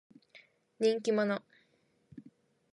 人気者。